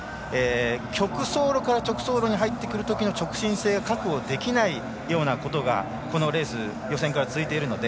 曲走路から直走路に入ってくるときの直進性が確保できないようなことがこのレース、予選から続いているので。